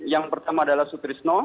yang pertama adalah sutrisno